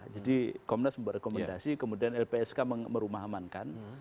jadi komnas merekomendasi kemudian lpsk merumahamankan